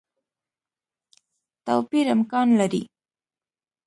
توپیر امکان لري.